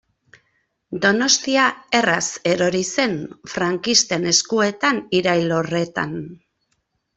Donostia erraz erori zen frankisten eskuetan irail horretan.